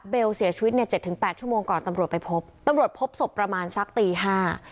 เสียชีวิตเนี่ยเจ็ดถึงแปดชั่วโมงก่อนตำรวจไปพบตำรวจพบศพประมาณสักตีห้า